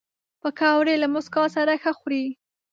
پکورې له موسکا سره ښه خوري